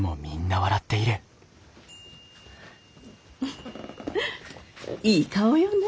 フッいい顔よね。